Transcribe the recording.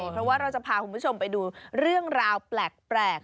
เพราะว่าเราจะพาคุณผู้ชมไปดูเรื่องราวแปลก